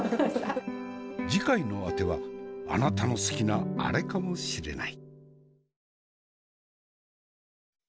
次回のあてはあなたの好きなアレかもしれない。